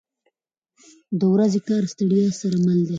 • د ورځې کار د ستړیا سره مل دی.